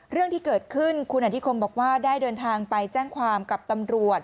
เรื่องที่เกิดขึ้นคุณอธิคมบอกว่าได้เดินทางไปแจ้งความกับตำรวจ